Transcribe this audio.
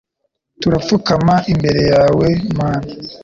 Turapfukama imbere yawe Mana.